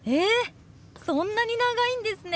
そんなに長いんですね！